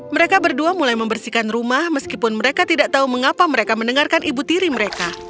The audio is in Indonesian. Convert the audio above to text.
mereka berdua mulai membersihkan rumah meskipun mereka tidak tahu mengapa mereka mendengarkan ibu tiri mereka